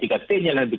yang lebih ke depan